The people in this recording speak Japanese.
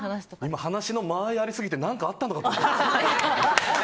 今、話の間合いありすぎて何かあったのかと。